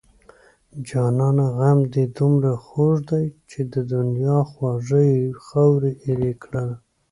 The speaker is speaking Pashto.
جانانه غم دې دومره خوږ دی چې د دنيا خواږه يې خاورې ايرې کړنه